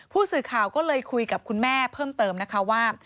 ผู้สื่อข่าวก็เลยคุยกับคุณแม่เพิ่มเติมนะคะว่า